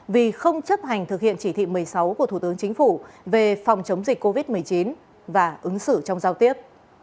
vì không chấp hành thực hiện chỉ thị một mươi sáu của thủ tướng chính phủ về phòng chống dịch covid một mươi chín và ứng xử trong giao tiếp